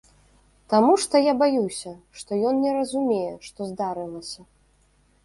Таму што я баюся, што ён не разумее, што здарылася.